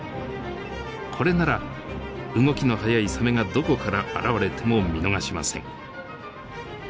これなら動きの速いサメがどこから現れても見逃しません。